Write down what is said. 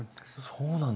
そうなんですか。